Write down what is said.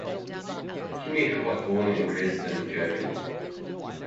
Kimmich was born in Dresden, Germany.